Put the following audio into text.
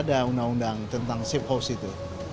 tidak pernah ada undang undang tentang safe house itu